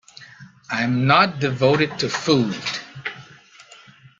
I am not devoted to food!